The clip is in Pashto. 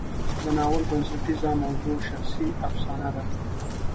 د ناول بنسټیزه موضوع شخصي افسانه ده.